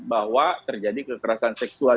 bahwa terjadi kekerasan seksual